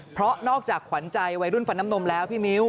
เพราะนอกจากขวัญใจวัยรุ่นฟันน้ำนมแล้วพี่มิ้ว